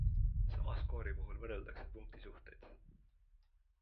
Sama skoori puhul võrreldakse punktisuhteid.